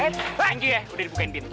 eh tinggi ya udah dibukain pintu